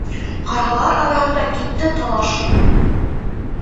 Ҡарғалар араһында китте талаш